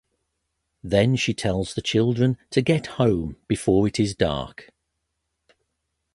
Then she tells the children to get home before it is dark.